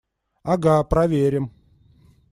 Ага, проверим!